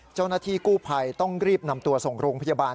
เจ้าหน้าที่กู้ภัยต้องรีบนำตัวส่งโรงพยาบาล